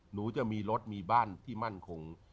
หนูจะมีรถมีบ้านที่มั่นคง